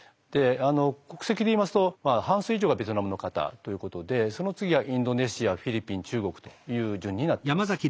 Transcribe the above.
国籍で言いますと半数以上がベトナムの方ということでその次はインドネシアフィリピン中国という順になっています。